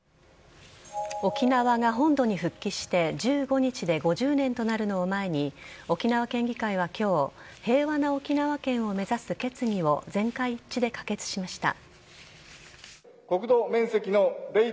沖縄が本土に復帰して１５日で５０年となるのを前に沖縄県議会は、今日平和な沖縄県を目指す決議を全会一致で可決しました。